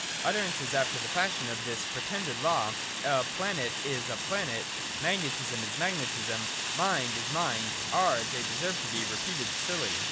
Utterances after the fashion of this pre tended law (A planet is — a planet; Magnetism is — magnetism ; Mind is — mind) are, as they deserve to be, reputed silly.